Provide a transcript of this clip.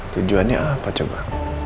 tujuannya apa coba